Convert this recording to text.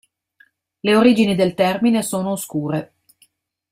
Le origini del termine sono oscure.